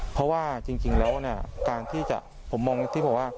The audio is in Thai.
เพราะว่าจริงแล้วนะผมมองที่พูดว่า